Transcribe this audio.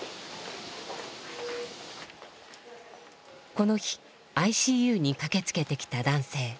この日ＩＣＵに駆けつけてきた男性。